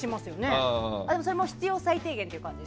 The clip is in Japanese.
それも必要最低限という感じ？